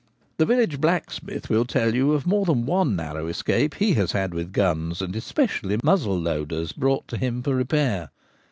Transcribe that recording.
The village blacksmith will tell you of more than one narrow escape he has had with guns, and espe cially muzzle loaders, brought to him to repair.